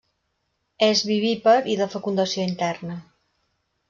És vivípar i de fecundació interna.